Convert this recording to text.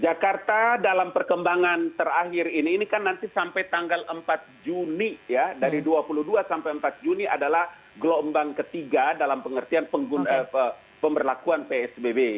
jakarta dalam perkembangan terakhir ini ini kan nanti sampai tanggal empat juni ya dari dua puluh dua sampai empat juni adalah gelombang ketiga dalam pengertian pemberlakuan psbb